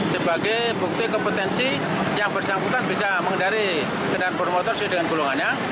sebagai bukti kompetensi yang bersangkutan bisa mengendari kendaraan bermotor sesuai dengan golongannya